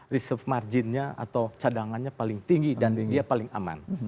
reserve marginnya atau cadangannya paling tinggi dan dia paling aman